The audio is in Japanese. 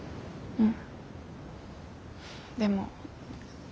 うん。